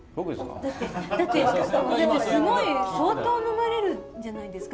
だってすごい相当呑まれるんじゃないですか？